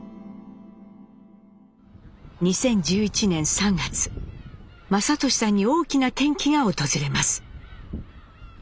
２０１１年３月雅俊さんに大きな転機が訪れます。